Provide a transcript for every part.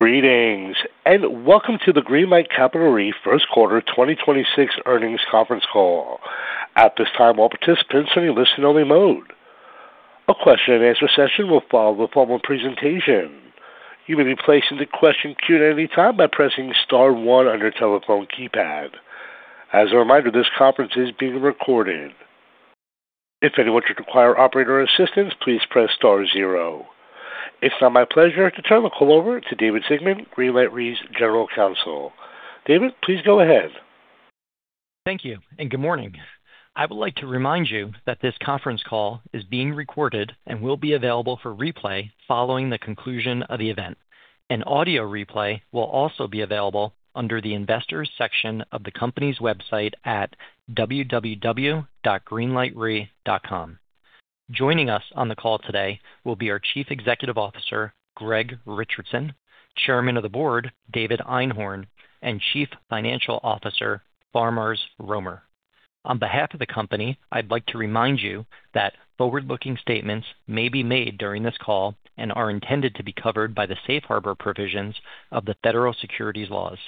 Greetings, and welcome to the Greenlight Capital Re 1st quarter 2026 earnings conference call. At this time, all participants are in listen only mode. A question-and-answer session will follow the formal presentation. As a reminder, this conference is being recorded. It's now my pleasure to turn the call over to David Sigmon, Greenlight Re's General Counsel. David, please go ahead. Thank you and good morning. I would like to remind you that this conference call is being recorded and will be available for replay following the conclusion of the event. An audio replay will also be available under the investors section of the company's website at www.greenlightre.com. Joining us on the call today will be our Chief Executive Officer, Greg Richardson, Chairman of the Board, David Einhorn, and Chief Financial Officer, Faramarz Romer. On behalf of the company, I'd like to remind you that forward-looking statements may be made during this call and are intended to be covered by the safe harbor provisions of the federal securities laws.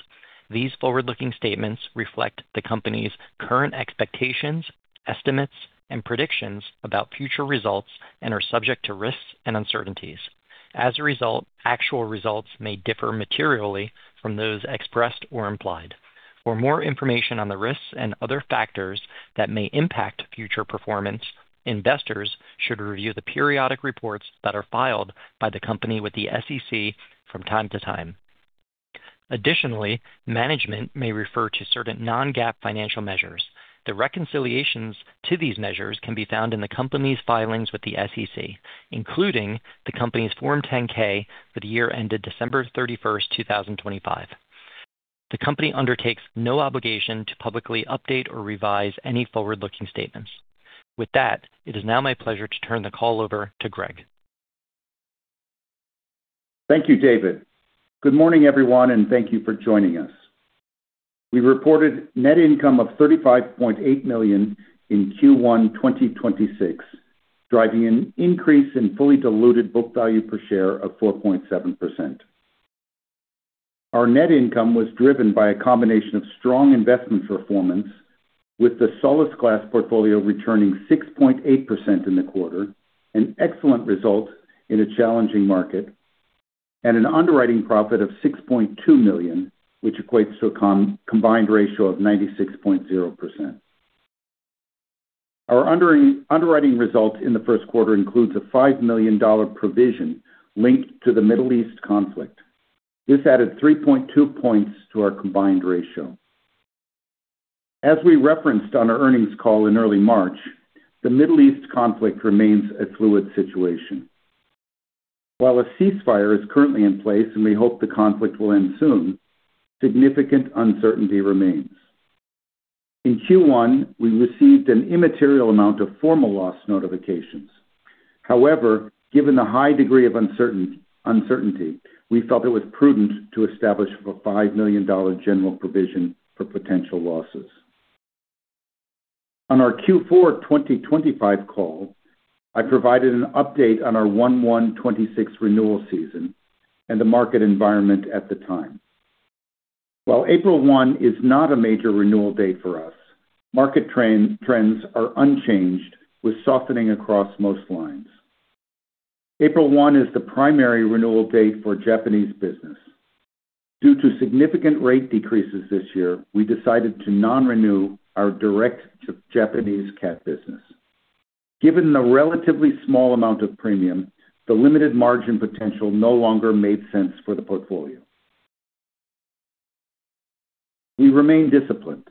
These forward-looking statements reflect the company's current expectations, estimates and predictions about future results and are subject to risks and uncertainties. As a result, actual results may differ materially from those expressed or implied. For more information on the risks and other factors that may impact future performance, investors should review the periodic reports that are filed by the company with the SEC from time to time. Additionally, management may refer to certain non-GAAP financial measures. The reconciliations to these measures can be found in the company's filings with the SEC, including the company's Form 10-K for the year ended December 31st, 2025. The company undertakes no obligation to publicly update or revise any forward-looking statements. With that, it is now my pleasure to turn the call over to Greg. Thank you, David. Good morning, everyone, and thank you for joining us. We reported net income of $35.8 million in Q1 2026, driving an increase in fully diluted book value per share of 4.7%. Our net income was driven by a combination of strong investment performance with the Solasglas portfolio returning 6.8% in the quarter, an excellent result in a challenging market, and an underwriting profit of $6.2 million, which equates to a combined ratio of 96.0%. Our underwriting result in the first quarter includes a $5 million provision linked to the Middle East conflict. This added 3.2 points to our combined ratio. As we referenced on our earnings call in early March, the Middle East conflict remains a fluid situation. While a ceasefire is currently in place and we hope the conflict will end soon, significant uncertainty remains. In Q1, we received an immaterial amount of formal loss notifications. Given the high degree of uncertainty, we felt it was prudent to establish a $5 million general provision for potential losses. On our Q4 2025 call, I provided an update on our 1/1/2026 renewal season and the market environment at the time. While April 1st is not a major renewal date for us, market trends are unchanged with softening across most lines. April 1 is the primary renewal date for Japanese business. Due to significant rate decreases this year, we decided to non-renew our direct to Japanese cat business. Given the relatively small amount of premium, the limited margin potential no longer made sense for the portfolio. We remain disciplined.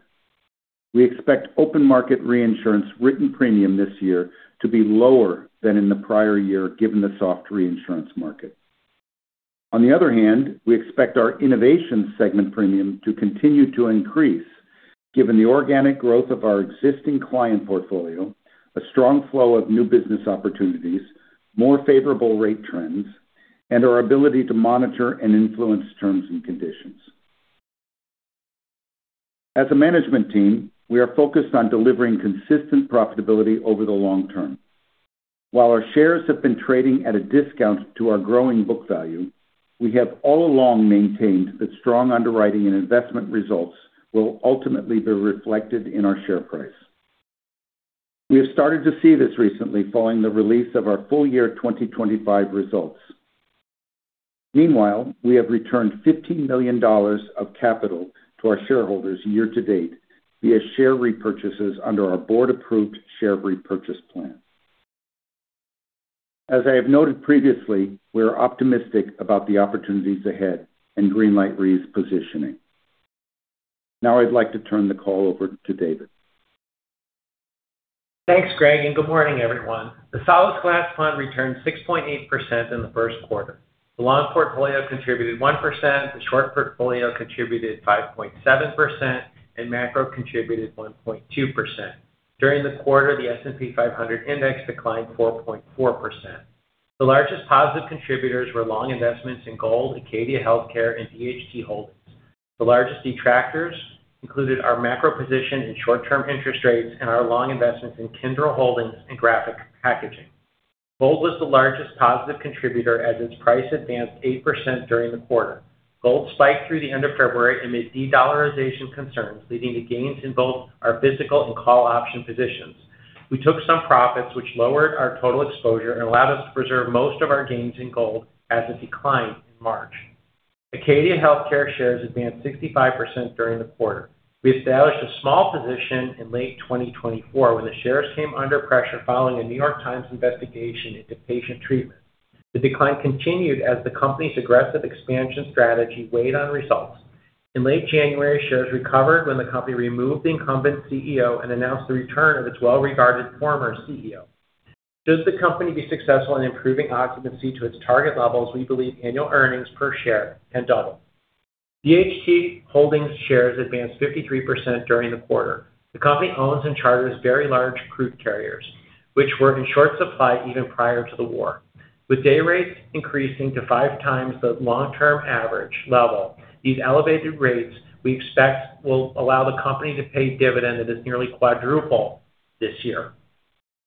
We expect open market reinsurance written premium this year to be lower than in the prior year, given the soft reinsurance market. On the other hand, we expect our innovation segment premium to continue to increase given the organic growth of our existing client portfolio, a strong flow of new business opportunities, more favorable rate trends, and our ability to monitor and influence terms and conditions. As a management team, we are focused on delivering consistent profitability over the long term. While our shares have been trading at a discount to our growing book value, we have all along maintained that strong underwriting and investment results will ultimately be reflected in our share price. We have started to see this recently following the release of our full year 2025 results. Meanwhile, we have returned $15 million of capital to our shareholders year to date via share repurchases under our board-approved share repurchase plan. As I have noted previously, we are optimistic about the opportunities ahead and Greenlight Re's positioning. Now I'd like to turn the call over to David. Thanks, Greg. Good morning, everyone. The Solasglas fund returned 6.8% in the first quarter. The long portfolio contributed 1%, the short portfolio contributed 5.7%, and macro contributed 1.2%. During the quarter, the S&P 500 index declined 4.4%. The largest positive contributors were long investments in Gold, Acadia Healthcare and DHT Holdings. The largest detractors included our macro position in short-term interest rates and our long investments in Kyndryl Holdings and Graphic Packaging. Gold was the largest positive contributor as its price advanced 8% during the quarter. Gold spiked through the end of February amid de-dollarization concerns, leading to gains in both our physical and call option positions. We took some profits, which lowered our total exposure and allowed us to preserve most of our gains in gold as it declined in March. Acadia Healthcare shares advanced 65% during the quarter. We established a small position in late 2024 when the shares came under pressure following a New York Times investigation into patient treatment. The decline continued as the company's aggressive expansion strategy weighed on results. In late January, shares recovered when the company removed the incumbent CEO and announced the return of its well-regarded former CEO. Should the company be successful in improving occupancy to its target levels, we believe annual earnings per share can double. DHT Holdings shares advanced 53% during the quarter. The company owns and charters very large crude carriers, which were in short supply even prior to the war. With day rates increasing to 5x the long-term average level, these elevated rates we expect will allow the company to pay a dividend that is nearly quadruple this year.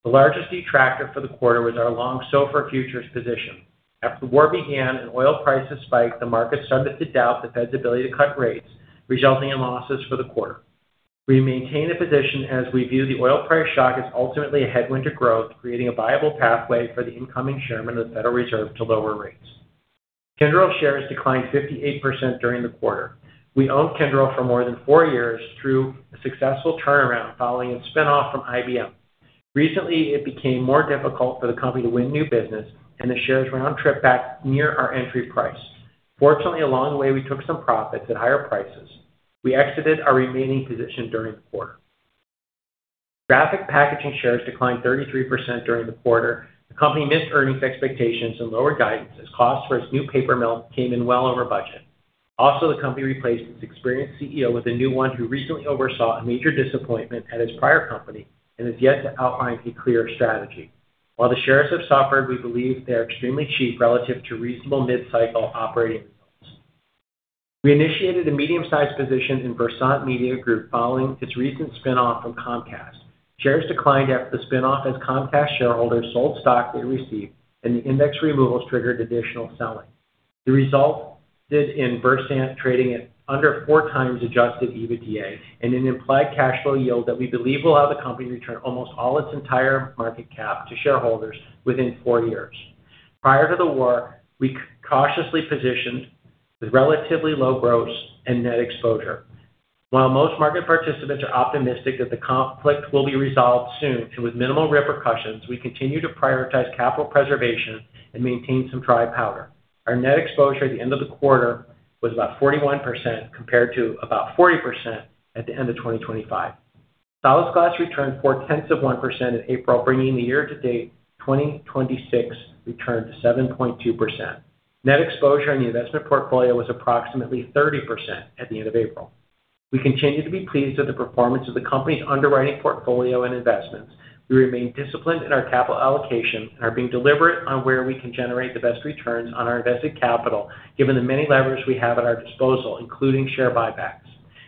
The largest detractor for the quarter was our long SOFR futures position. After the war began and oil prices spiked, the market started to doubt the Fed's ability to cut rates, resulting in losses for the quarter. We maintain a position as we view the oil price shock as ultimately a headwind to growth, creating a viable pathway for the incoming chairman of the Federal Reserve to lower rates. Kyndryl shares declined 58% during the quarter. We owned Kyndryl for more than four years through a successful turnaround following its spin-off from IBM. Recently, it became more difficult for the company to win new business, and the shares were on track back near our entry price. Fortunately, along the way, we took some profits at higher prices. We exited our remaining position during the quarter. Graphic Packaging shares declined 33% during the quarter. The company missed earnings expectations and lowered guidance as costs for its new paper mill came in well over budget. Also, the company replaced its experienced CEO with a new one who recently oversaw a major disappointment at his prior company and has yet to outline a clear strategy. While the shares have suffered, we believe they are extremely cheap relative to reasonable mid-cycle operating results. We initiated a medium-sized position in Versant Media Group following its recent spin-off from Comcast. Shares declined after the spin-off as Comcast shareholders sold stock they received, and the index removals triggered additional selling. The result did in Versant trading at under 4x adjusted EBITDA and an implied cash flow yield that we believe will allow the company to return almost all its entire market cap to shareholders within four years. Prior to the war, we cautiously positioned with relatively low gross and net exposure. While most market participants are optimistic that the conflict will be resolved soon and with minimal repercussions, we continue to prioritize capital preservation and maintain some dry powder. Our net exposure at the end of the quarter was about 41% compared to about 40% at the end of 2025. Solasglas returned 0.4% in April, bringing the year-to-date 2026 return to 7.2%. Net exposure in the investment portfolio was approximately 30% at the end of April. We continue to be pleased with the performance of the company's underwriting portfolio and investments. We remain disciplined in our capital allocation and are being deliberate on where we can generate the best returns on our invested capital, given the many levers we have at our disposal, including share buybacks.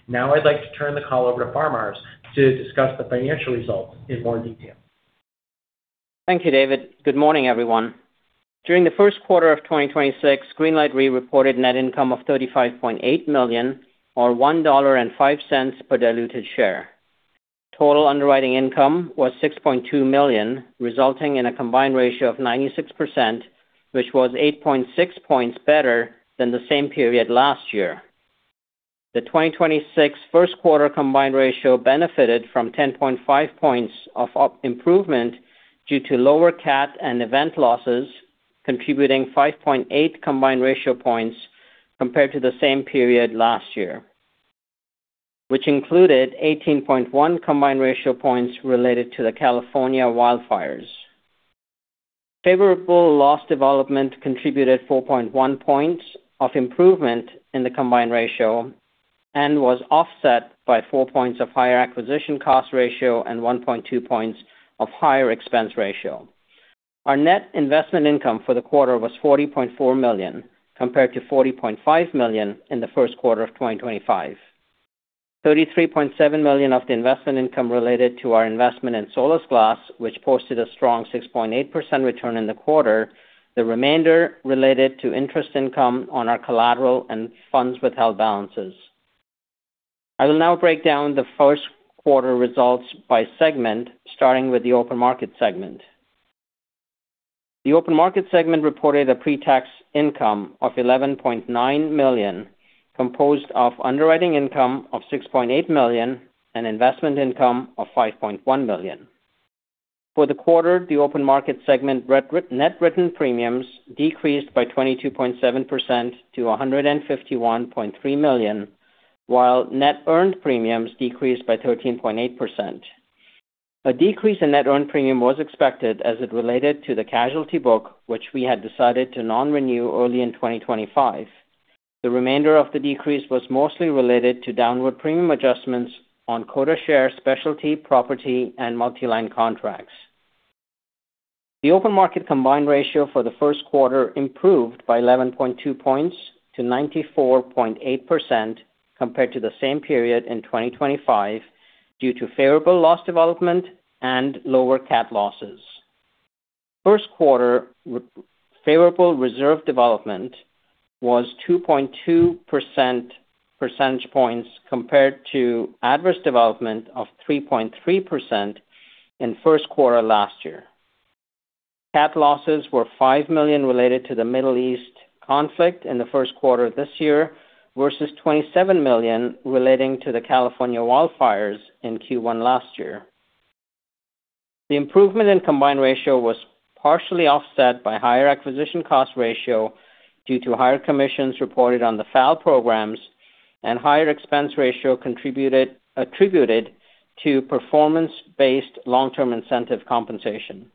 Now I'd like to turn the call over to Faramarz Romer to discuss the financial results in more detail. Thank you, David. Good morning, everyone. During the first quarter of 2026, Greenlight Re reported net income of $35.8 million or $1.05 per diluted share. Total underwriting income was $6.2 million, resulting in a combined ratio of 96%, which was 8.6 points better than the same period last year. The 2026 first quarter combined ratio benefited from 10.5 points of improvement due to lower cat and event losses, contributing 5.8 combined ratio points compared to the same period last year, which included 18.1 combined ratio points related to the California wildfires. Favorable loss development contributed 4.1 points of improvement in the combined ratio and was offset by 4 points of higher acquisition cost ratio and 1.2 points of higher expense ratio. Our net investment income for the quarter was $40.4 million, compared to $40.5 million in the first quarter of 2025. $33.7 million of the investment income related to our investment in Solasglas, which posted a strong 6.8% return in the quarter, the remainder related to interest income on our collateral and funds withheld balances. I will now break down the first quarter results by segment, starting with the open market segment. The open market segment reported a pre-tax income of $11.9 million, composed of underwriting income of $6.8 million and investment income of $5.1 million. For the quarter, the open market segment re-net written premiums decreased by 22.7% to $151.3 million, while net earned premiums decreased by 13.8%. A decrease in net earned premium was expected as it related to the casualty book, which we had decided to non-renew early in 2025. The remainder of the decrease was mostly related to downward premium adjustments on quota share specialty, property, and multi-line contracts. The open market combined ratio for the first quarter improved by 11.2 points to 94.8% compared to the same period in 2025 due to favorable loss development and lower cat losses. First quarter favorable reserve development was 2.2 percentage points compared to adverse development of 3.3% in first quarter last year. Cat losses were $5 million related to the Middle East conflict in the first quarter of this year versus $27 million relating to the California wildfires in Q1 last year. The improvement in combined ratio was partially offset by higher acquisition cost ratio due to higher commissions reported on the FAL programs and higher expense ratio attributed to performance-based long-term incentive compensation.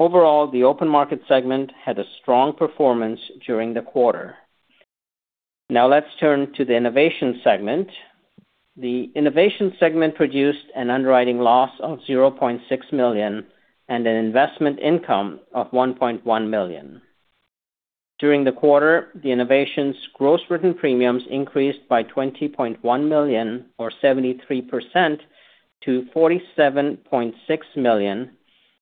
Overall, the open market segment had a strong performance during the quarter. Let's turn to the Innovation segment. The Innovation segment produced an underwriting loss of $0.6 million and an investment income of $1.1 million. During the quarter, the innovations gross written premiums increased by $20.1 million or 73% to $47.6 million,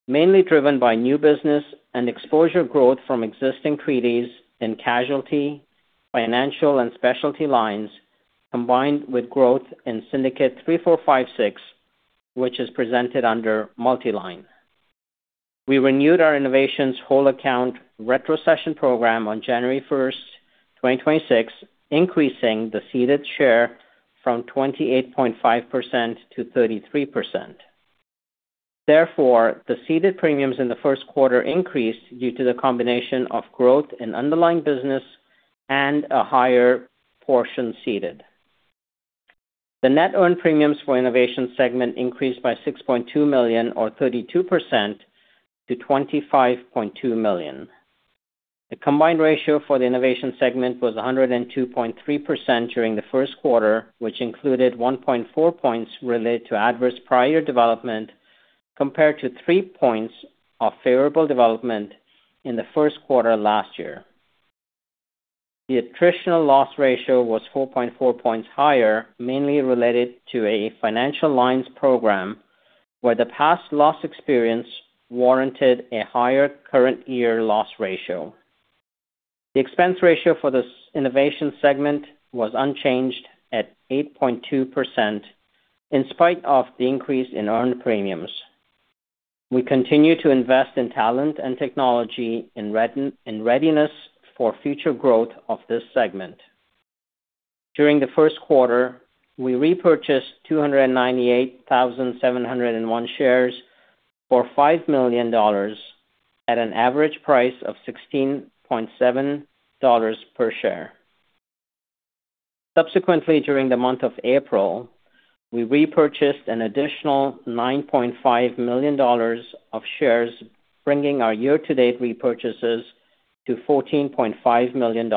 mainly driven by new business and exposure growth from existing treaties in casualty, financial, and specialty lines, combined with growth in Syndicate 3456, which is presented under multi-line. We renewed our innovations whole account retrocession program on January 1st, 2026, increasing the ceded share from 28.5% to 33%. Therefore, the ceded premiums in the first quarter increased due to the combination of growth in underlying business and a higher portion ceded. The net earned premiums for the innovation segment increased by $6.2 million or 32% to $25.2 million. The combined ratio for the innovation segment was 102.3% during the first quarter, which included 1.4 points related to adverse prior development compared to 3 points of favorable development in the first quarter last year. The attritional loss ratio was 4.4 points higher, mainly related to a financial lines program where the past loss experience warranted a higher current year loss ratio. The expense ratio for this innovation segment was unchanged at 8.2% in spite of the increase in earned premiums. We continue to invest in talent and technology in readiness for future growth of this segment. During the first quarter, we repurchased 298,701 shares for $5 million at an average price of $16.70 per share. Subsequently, during the month of April, we repurchased an additional $9.5 million of shares, bringing our year-to-date repurchases to $14.5 million.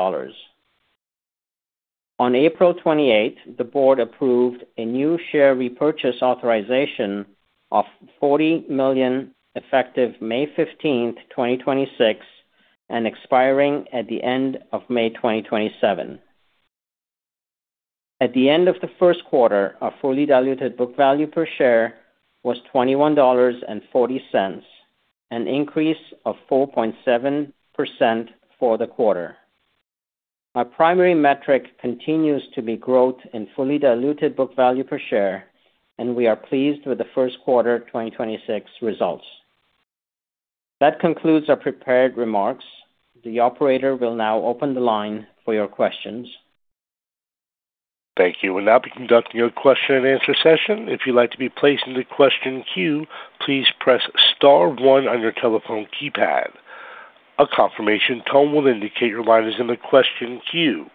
On April 28th, the board approved a new share repurchase authorization of $40 million, effective May 15th, 2026, and expiring at the end of May 2027. At the end of the first quarter, our fully diluted book value per share was $21.40, an increase of 4.7% for the quarter. Our primary metric continues to be growth in fully diluted book value per share, and we are pleased with the first quarter 2026 results. That concludes our prepared remarks. The operator will now open the line for your questions. Thank you. We'll now be conducting your question-and-answer session. If you'd like to be placed in the question queue, please press star one on your telephone keypad. A confirmation tone will indicate your line is in the question queue.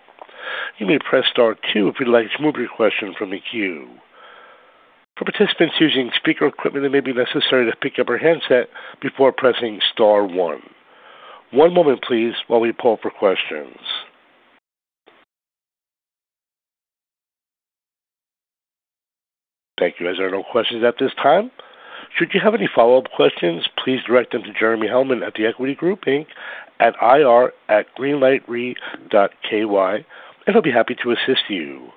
You may press star two if you'd like to remove your question from the queue. For participants using speaker equipment, it may be necessary to pick up your handset before pressing star one. One moment please while we poll for questions. Thank you. As there are no questions at this time, should you have any follow-up questions, please direct them to Jeremy Hellman at The Equity Group Inc. at ir@greenlightre.ky, and he'll be happy to assist you.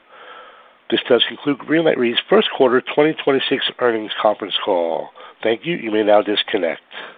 This does conclude Greenlight Re's first quarter 2026 earnings conference call. Thank you. You may now disconnect.